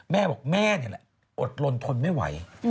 แม่บอกแม่นี่แหละอดลนทนไม่ไหว